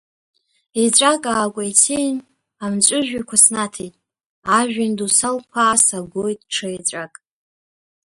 Еҵәак аакәеицеин, амҵәыжәҩақәа снаҭеит, ажәҩан ду салԥаа сагоит ҽа еҵәак.